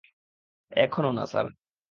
এখনও না, স্যার।